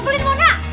kau beli dimana